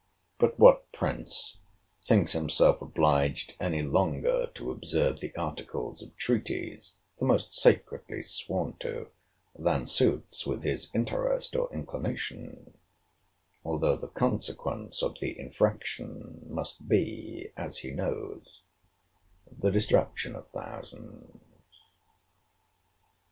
But what prince thinks himself obliged any longer to observe the articles of treaties, the most sacredly sworn to, than suits with his interest or inclination; although the consequence of the infraction must be, as he knows, the destruction of thousands.